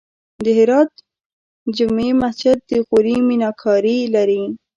د هرات جمعې مسجد د غوري میناکاري لري